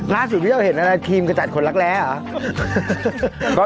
พี่เราเห็นอะไรครีมกระจัดคนรักแร้เหรอ